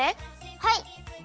はい！